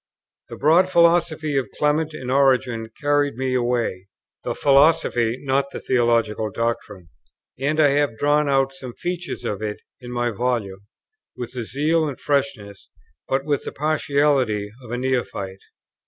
The broad philosophy of Clement and Origen carried me away; the philosophy, not the theological doctrine; and I have drawn out some features of it in my volume, with the zeal and freshness, but with the partiality, of a neophyte.